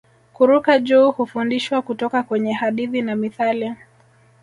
Kuruka juu hufundishwa kutoka kwenye hadithi na mithali